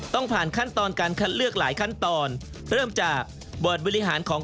ต้องผ่านขั้นตอนการเลือกหลายขั้นตอน